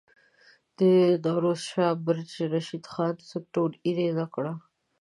د نوروز شاه برج رشید خان سکروټه ایره نه کړه.